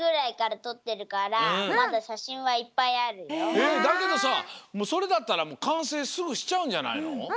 えっだけどさもうそれだったらかんせいすぐしちゃうんじゃないの？